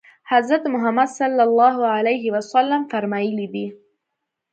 حضرت محمد صلی الله علیه وسلم فرمایلي دي.